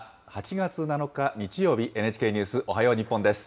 ８月７日日曜日、ＮＨＫニュースおはよう日本です。